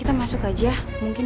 lupa masa kamuently juga gija